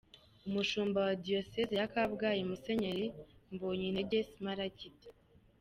Umushumba wa Diyoseze ya Kabgayi Musenyeri Mbonyintege Smaragde.